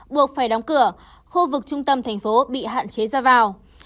buộc phải đóng cửa khu vực trung tâm thành phố bị hạn chế ra vào